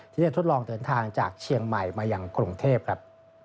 ที่จะทดลองเดินทางจากเชียงใหม่มาอย่างกรุงเทพครับ